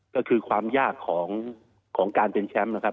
ก็คือความยากของการเป็นแชมป์นะครับ